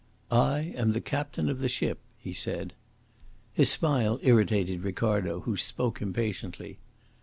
"I am the captain of the ship," he said. His smile irritated Ricardo, who spoke impatiently.